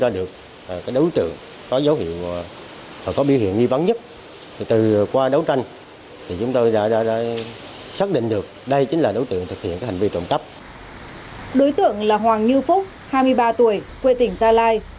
đối tượng là hoàng như phúc hai mươi ba tuổi quê tỉnh gia lai